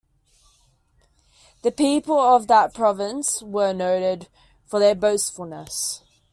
The people of that province were noted for their boastfulness.